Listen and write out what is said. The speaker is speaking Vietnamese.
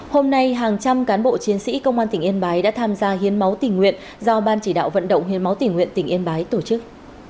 hôm nay hàng trăm cán bộ chiến sĩ công an tỉnh yên bái đã tham gia hiến máu tình nguyện do ban chỉ đạo vận động hiến máu tỉnh nguyện tỉnh yên bái tổ chức